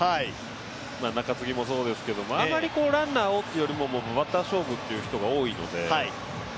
中継ぎもそうですけど、ランナーをというよりも、もうバッター勝負っていう人が多いので。